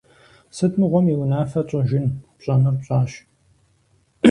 Сыт мыгъуэм и унафэ тщӏыжын? Пщӏэнур пщӏащ.